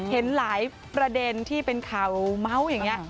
เห็นหลายประเด็นที่เป็นข่าวเมาส์อย่างนี้